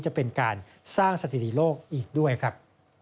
จะเป็นการสร้างสถิติโลกอีกด้วยครับ